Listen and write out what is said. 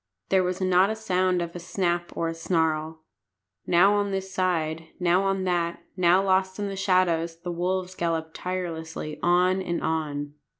There was not a sound of a snap or a snarl. Now on this side, now on that, now lost in the shadows, the wolves galloped tirelessly on and on.